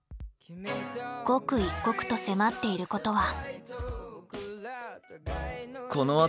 刻一刻と迫っていることは。